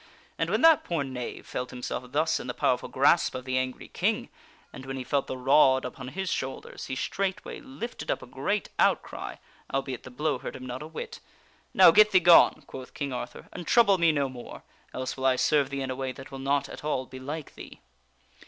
And when that poor knave felt himself thus in the powerful grasp of the angry King, and when he felt the rod upon his shoulders, he straightway lifted up a great outcry, albeit the blow hurt him not a whit. " Now get thee gone!" quoth King Ar thur, "and trouble me no more ; else will I serve thee in a way that will not at all belike thee."